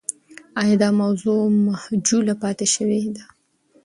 آیا دا موضوع مجهوله پاتې سوې ده؟